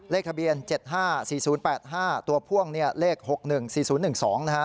เลขทะเบียน๗๕๔๐๘๕ตัวพ่วงเนี่ยเลข๖๑๔๐๑๒นะฮะ